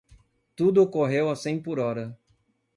Tudo correu a cem por hora.